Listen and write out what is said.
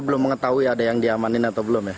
belum mengetahui ada yang diamanin atau belum ya